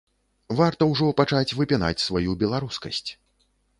Варта ўжо пачаць выпінаць сваю беларускасць.